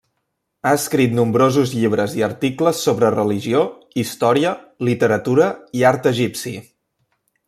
Ha escrit nombrosos llibres i articles sobre religió, història, literatura i art egipci.